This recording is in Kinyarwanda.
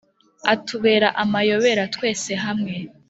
Atubera amayobera twese hamwe